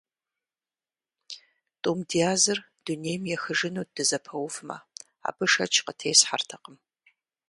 ТӀум дязыр дунейм ехыжынут дызэпэувмэ – абы шэч къытесхьэртэкъым.